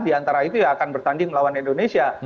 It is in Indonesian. diantara itu ya akan bertanding melawan indonesia